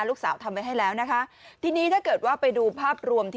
ทำไว้ให้แล้วนะคะทีนี้ถ้าเกิดว่าไปดูภาพรวมที่